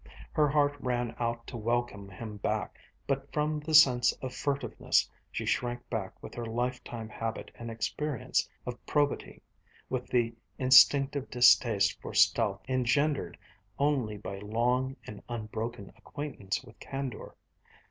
Her heart ran out to welcome him back; but from the sense of furtiveness she shrank back with her lifetime habit and experience of probity, with the instinctive distaste for stealth engendered only by long and unbroken acquaintance with candor.